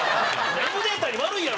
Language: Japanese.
エム・データに悪いやろ！